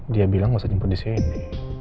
dia bilang bisa jemput disini